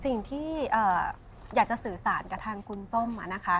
สิ่งที่อยากจะสื่อสารกับทางคุณส้มนะคะ